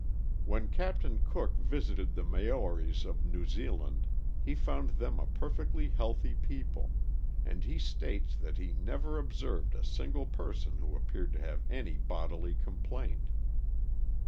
When Captain Cook visited the Maoris of New Zealand, he found them a perfectly healthy people, and he states that he never observed a single person who appeared to have any bodily complaint.